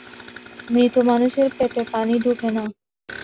মৃত মানুষের পেটে পানি ঢোকে না।